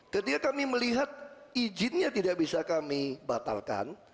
ketika kami melihat izinnya tidak bisa kami batalkan